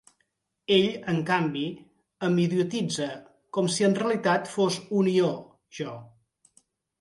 Ell en canvi, em ioditza com si en realitat fos un ió, jo.